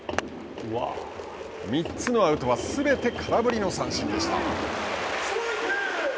３つのアウトはすべて空振りの三振でした。